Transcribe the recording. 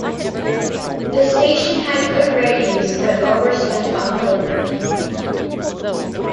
The station had good ratings, but overspent on programming.